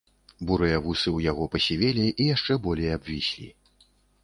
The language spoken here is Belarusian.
Бурыя вусы ў яго пасівелі і яшчэ болей абвіслі.